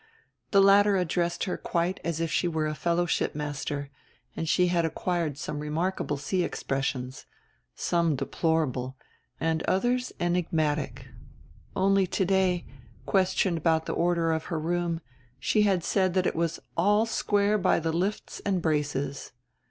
The latter addressed her quite as if she were a fellow shipmaster; and she had acquired some remarkable sea expressions, some deplorable and others enigmatic: only to day, questioned about the order of her room, she had said that it was "all square by the lifts and braces."